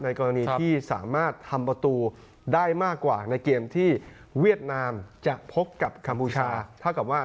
กรณีที่สามารถทำประตูได้มากกว่าในเกมที่เวียดนามจะพบกับคัมพูชาเท่ากับว่า